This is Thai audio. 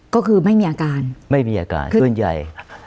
ก็คือไม่มีอาการไม่มีอาการส่วนใหญ่